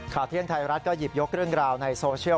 เที่ยงไทยรัฐก็หยิบยกเรื่องราวในโซเชียล